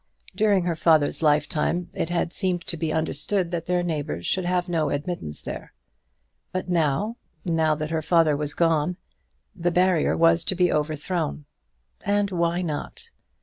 During her father's lifetime it had seemed to be understood that their neighbour should have no admittance there; but now, now that her father was gone, the barrier was to be overthrown. And why not?